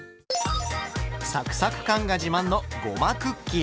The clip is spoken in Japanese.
サクサク感が自慢のごまクッキー。